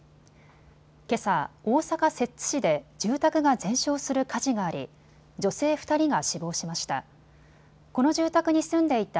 けさ、大阪摂津市で住宅が全焼する火事があり女性２人が死亡しました。